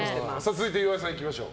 続いて、岩井さんいきましょう。